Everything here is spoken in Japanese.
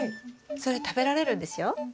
それ食べられるんですよ。